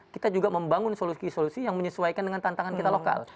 kita juga membangun solusi solusi yang menyesuaikan dengan tantangan kita lokal